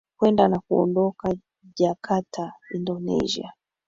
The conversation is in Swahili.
kwenda na kuondoka jarkata indonesia